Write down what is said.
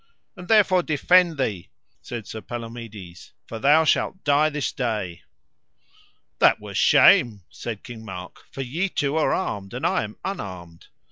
And therefore defend thee, said Sir Palomides, for thou shalt die this day. That were shame, said King Mark, for ye two are armed and I am unarmed.